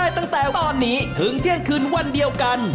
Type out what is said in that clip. ตั้งแต่ตอนนี้ถึงเที่ยงคืนวันเดียวกัน